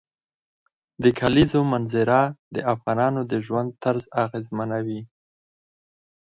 د کلیزو منظره د افغانانو د ژوند طرز اغېزمنوي.